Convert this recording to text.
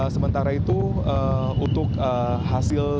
sementara itu untuk hasil